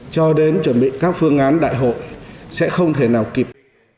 cho đến chuẩn bị các phương án đại hội sẽ không thể nào kịp